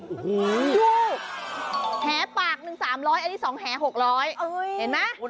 โอ้โฮดูแห้ปาก๑ปาก๓๐๐บาทอันนี้๒แห้๖๐๐บาท